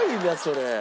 それ。